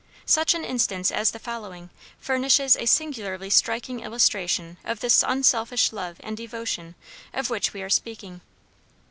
Such an instance as the following furnishes a singularly striking illustration of this unselfish love and devotion of which we are speaking.